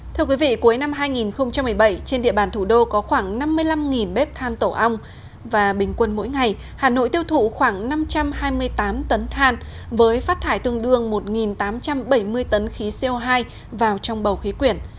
thưa quý vị cuối năm hai nghìn một mươi bảy trên địa bàn thủ đô có khoảng năm mươi năm bếp than tổ ong và bình quân mỗi ngày hà nội tiêu thụ khoảng năm trăm hai mươi tám tấn than với phát thải tương đương một tám trăm bảy mươi tấn khí co hai vào trong bầu khí quyển